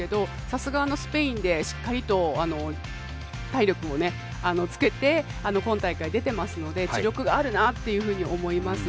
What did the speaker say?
さすがスペインでしっかりと体力もつけて今大会出てますので地力があるなっていうふうに思います。